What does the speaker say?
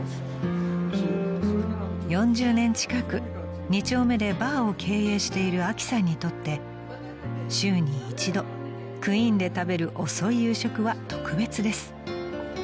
［４０年近く二丁目でバーを経営しているあきさんにとって週に一度クインで食べる遅い夕食は特別です］